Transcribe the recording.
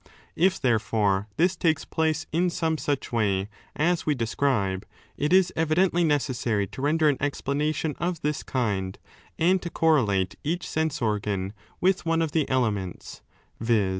If, therefore, this takes place in some such way as we describe, it is evidentlj necessary to render an expla nation of this kind and to correlate each sense organ with one of the elements, viz.